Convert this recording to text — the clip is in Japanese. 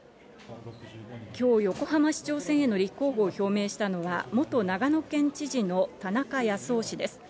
きょう、横浜市長選への立候補を表明したのは、元長野県知事の田中康夫氏です。